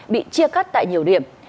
bị chia cắt tại nhiều điểm